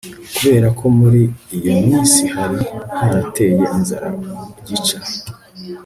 kubera ko muri iyo minsi hari harateye inzara gica